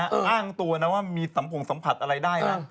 อ้างตัวมีสัมผ่วนสัมผัสอะไรได้